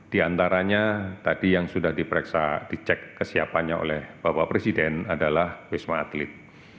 di antaranya tadi yang sudah diperiksa dicek kesiapannya oleh bapak presiden adalah wisma atlet